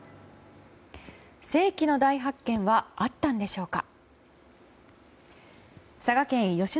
世紀の大発見はあったんでしょうか？